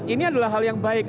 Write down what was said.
ini adalah hal yang baik